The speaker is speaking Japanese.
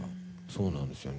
そうなんですよね。